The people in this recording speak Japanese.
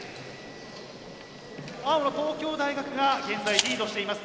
青の東京大学が現在リードしています。